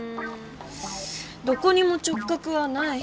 どこにも直角はない。